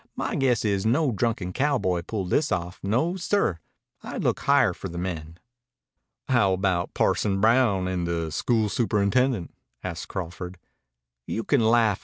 My guess is no drunken cowboy pulled this off. No, sir. I'd look higher for the men." "How about Parson Brown and the school superintendent?" asked Crawford. "You can laugh.